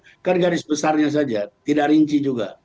bisa disampaikan tapi yang terbesarnya saja tidak rinci juga